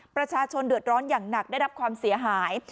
ประชาชนเดือดร้อนอย่างหนักได้รับความเสียหาย